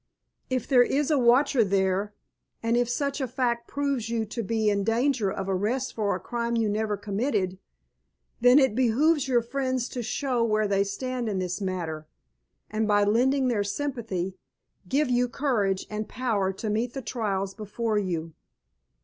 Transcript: "If there is a watcher there, and if such a fact proves you to be in danger of arrest for a crime you never committed, then it behooves your friends to show where they stand in this matter, and by lending their sympathy give you courage and power to meet the trials before you."